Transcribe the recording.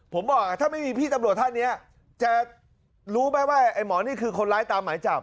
ผมบอกถ้าไม่มีพี่ตำรวจท่านเนี่ยจะรู้ไหมว่าไอ้หมอนี่คือคนร้ายตามหมายจับ